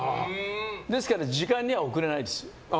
ですから時間には遅れないです。